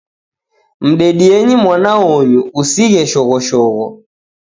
Mdedienyi mwana onyu, usighe shoghoshogho